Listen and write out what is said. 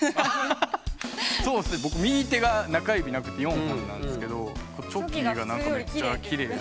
僕右手が中指なくて４本なんですけどチョキがめっちゃきれい。